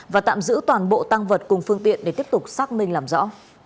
và tạm giữ toàn bộ tăng vật cùng phương tiện để tiếp tục xác minh làm rõ